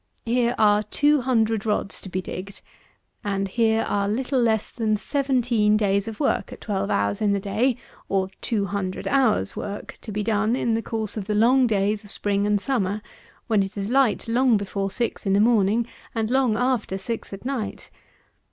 Here are 200 rods to be digged, and here are little less than 17 days of work at 12 hours in the day; or 200 hours' work, to be done in the course of the long days of spring and summer, while it is light long before six in the morning, and long after six at night.